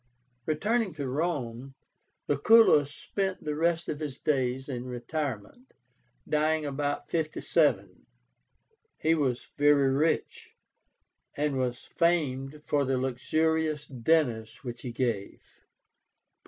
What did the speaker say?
Returning to Rome, Lucullus spent the rest of his days in retirement, dying about 57. He was very rich, and was famed for the luxurious dinners which he gave.